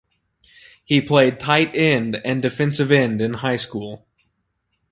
He played tight end and defensive end in high school.